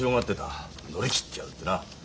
乗り切ってやるってな。